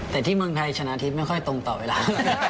แต่ที่เมืองไทยชนะทิพย์ไม่ค่อยตรงต่อเวลา